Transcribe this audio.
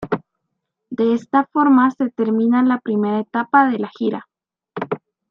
De esta forma se termina la primera etapa de la gira.